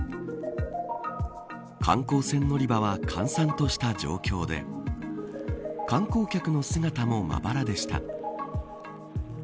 観光船乗り場は閑散とした状況で観光客の姿もまばらでした。